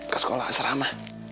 ke sekolah asrama